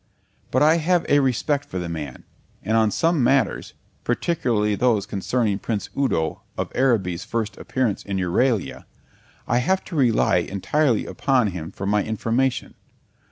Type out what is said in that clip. But I have a respect for the man; and on some matters, particularly those concerning Prince Udo of Araby's first appearance in Euralia, I have to rely entirely upon him for my information.